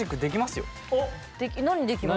何できます？